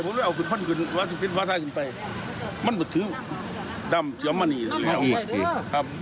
ผมเลยเอาฟันขึ้นฟันขึ้นฟ้าท่ายขึ้นไปมันมันถือดำเจ๋วมะนี่สักแล้ว